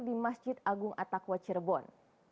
di masjid agung atakwa cirebon